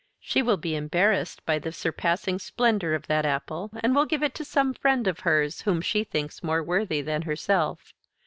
She will be embarrassed by the surpassing splendor of that apple and will give it to some friend of hers whom she thinks more worthy than herself.